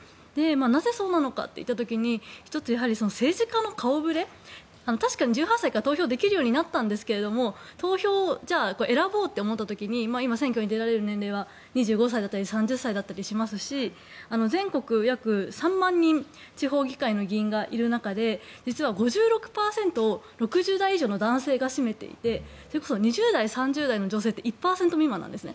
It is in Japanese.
なぜそうなのかといった時に１つ、政治家の顔触れ確かに１８歳から投票できるようになったんですが投票を選ぼうと思った時に今、選挙に出られる年齢は２５歳だったり３０歳だったりしますし全国、約３万人地方議会の議員がいる中で実は５６％を６０代以上の男性が占めていてそれこそ２０代３０代の女性って１％未満なんです。